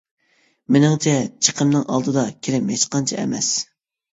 مېنىڭچە چىقىمنىڭ ئالدىدا كىرىم ھېچقانچە ئەمەس.